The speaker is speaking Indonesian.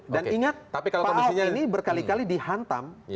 dan ingat pak ahok ini berkali kali dihantam